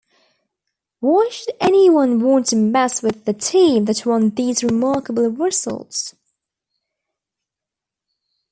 Why should anyone want to mess with the team that won these remarkable results?